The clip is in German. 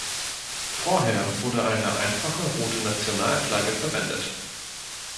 Vorher wurde eine einfache rote Nationalflagge verwendet.